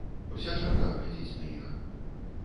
Уся чарга глядзіць на іх.